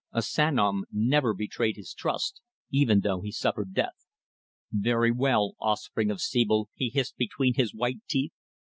"A Sanom never betrayed his trust, even though he suffered death." "Very well, offspring of sebel," he hissed between his white teeth.